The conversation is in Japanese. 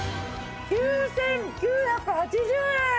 ９９８０円。